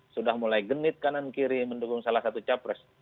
sudah mulai genit kanan kiri mendukung salah satu capres